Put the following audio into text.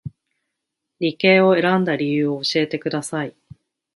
理系を選んだ理由を教えてください